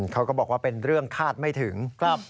เขาก็บอกว่าเป็นเรื่องคาดไม่ถึง